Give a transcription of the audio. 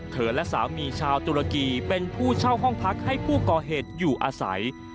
และสามีชาวตุรกีเป็นผู้เช่าห้องพักให้ผู้ก่อเหตุอยู่อาศัย